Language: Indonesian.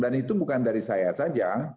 dan itu bukan dari saya saja